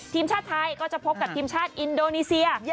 ทีมชาติไทยก็จะพบกับทีมชาติอินโดนีเซีย